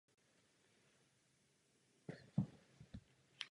Všechno nejlepší vaší zemi a všechno nejlepší vám osobně.